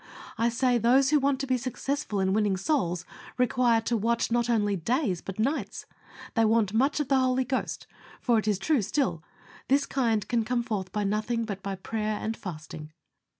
I say those who want to be successful in winning souls require to watch not only days but nights. They want much of the Holy Ghost, for it is true still, "This kind can come forth by nothing, but by prayer and fasting."